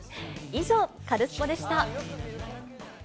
以上、カルスポっ！でした。